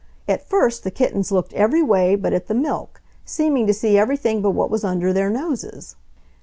At first the kittens looked every way but at the milk, seeming to see everything but what was under their noses.